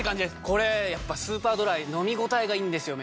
これやっぱスーパードライ飲み応えがいいんですよ